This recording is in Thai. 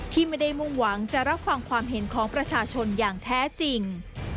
ที่ไม่ได้มุ่งหวังจะรับฟังความเห็นของประชาชนอย่างแท้จริง